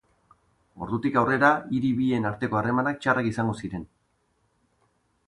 Ordutik aurrera hiri bien arteko harremanak txarrak izango ziren.